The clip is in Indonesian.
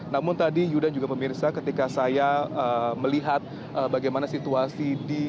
namun tadi yuda juga memirsa ketika saya melihat bagaimana situasi